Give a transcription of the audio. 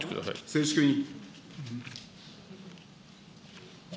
静粛に。